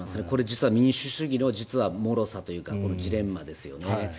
これは実は民主主義のもろさというかジレンマですよね。